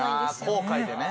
後悔でね